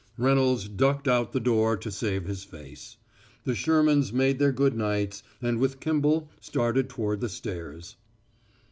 Reynolds ducked out the door to save his face. The Shermans made their good nights, and with Kimball, started toward the stairs.